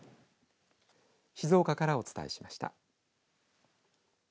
静岡からお伝えしました。